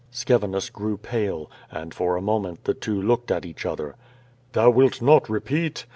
Scevinus grew pale, and for a mohi^t the two looked at each other. Thou wilt not repeat?"